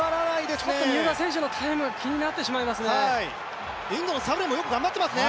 三浦選手のタイムが気になってしまいますね。